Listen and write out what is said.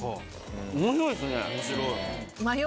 面白いっすね。